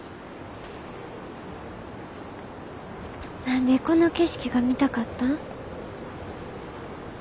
何でこの景色が見たかったん？